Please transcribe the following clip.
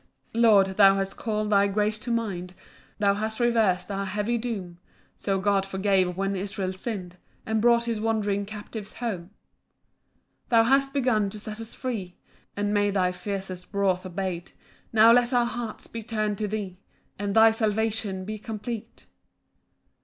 1 Lord, thou hast call'd thy grace to mind, Thou hast revers'd our heavy doom: So God forgave when Israel sinn'd, And brought his wandering captives home. 2 Thou hast begun to set us free, And made thy fiercest wrath abate; Now let our hearts be turn'd to thee, And thy salvation be complete.